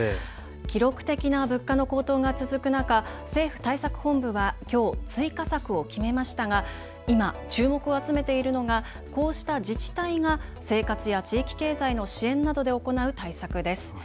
記録的な物価の高騰が続く中、政府対策本部はきょう追加策を決めましたが今、注目を集めているのがこうした自治体が生活や地域経済の支援などで行う対策です。